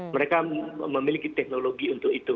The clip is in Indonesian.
mereka memiliki teknologi untuk itu